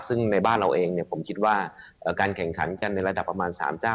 ซึ่งในบ้านเราเองผมคิดว่าการแข่งขันกันในระดับประมาณ๓เจ้า